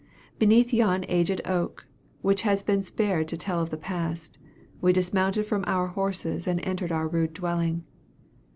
Beneath yon aged oak, which has been spared to tell of the past, we dismounted from our horses, and entered our rude dwelling.